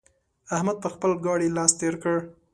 احمد پر خپل ګاډي لاس تېر کړ.